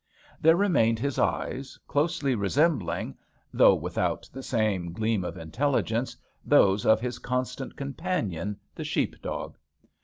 There remained his eyes, closely resembling — though without the same gleam of intelligence — those of his constant companion, the sheepdog.